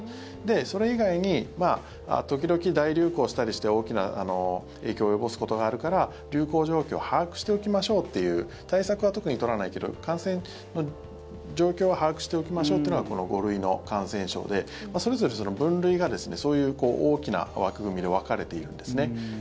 それ以外に時々、大流行したりして大きな影響を及ぼすことがあるから流行状況を把握しておきましょうっていう対策は特に取らないけど感染の状況は把握しておきましょうというのがこの５類の感染症でそれぞれ分類がそういう大きな枠組みで分かれているんですね。